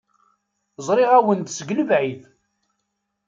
Zṛiɣ-awen-d seg lebɛid.